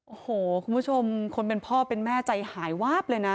โอ้โหคุณผู้ชมคนเป็นพ่อเป็นแม่ใจหายวาบเลยนะ